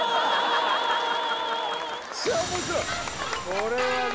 これはね